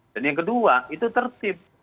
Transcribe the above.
dan yang kedua itu tertib